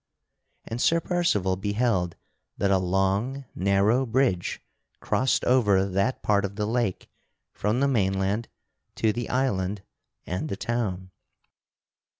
And Sir Percival beheld that a long narrow bridge crossed over that part of the lake from the mainland to the island and the town.